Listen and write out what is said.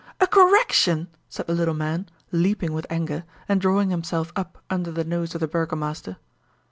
"A correction!" said the little man, leaping with anger, and drawing himself up under the nose of the burgomaster.